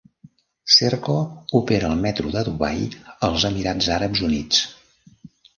Serco opera el metro de Dubai, als Emirats Àrabs Units.